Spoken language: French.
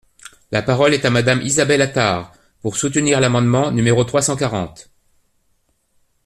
La parole est à Madame Isabelle Attard, pour soutenir l’amendement numéro trois cent quarante.